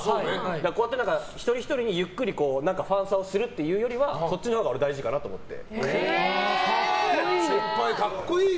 だからこうやって一人ひとりにゆっくりファンサをするってよりはそっちのほうが俺は大事かなと思って。